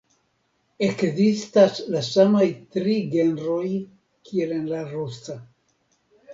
Ekzistas la samaj tri genroj kiel en la rusa.